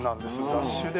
雑種で。